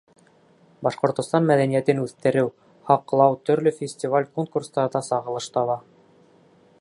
Башҡортостан мәҙәниәтен үҫтереү, һаҡлау төрлө фестиваль, конкурстарҙа сағылыш таба.